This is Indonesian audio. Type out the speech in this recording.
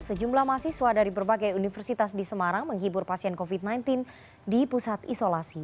sejumlah mahasiswa dari berbagai universitas di semarang menghibur pasien covid sembilan belas di pusat isolasi